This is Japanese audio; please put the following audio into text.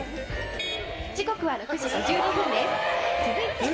時刻は６時５２分です。